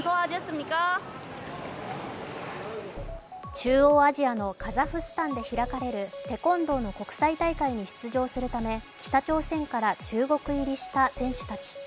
中央アジアのカザフスタンで開かれるテコンドーの国際大会に出場するため、北朝鮮から中国入りした選手たち。